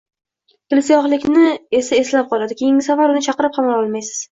dilsiyohlikni esa eslab qoladi, keyingi safar uni chaqirib ham ololmaysiz.